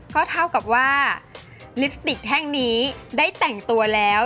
ก็เท่ากับว่าลิปสติกแท่งนี้ได้แต่งตัวแล้ว